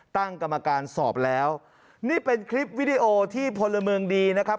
ตั้งกรรมการสอบแล้วนี่เป็นคลิปวิดีโอที่พลเมืองดีนะครับ